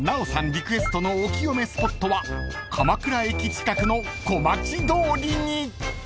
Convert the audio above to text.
リクエストのお浄めスポットは鎌倉駅近くの小町通りに］